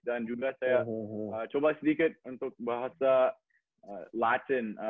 dan juga saya coba sedikit untuk bahasa latin